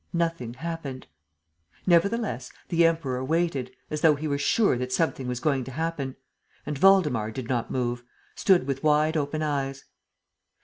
Nothing happened. Nevertheless, the Emperor waited, as though he were sure that something was going to happen. And Waldemar did not move, stood with wide open eyes.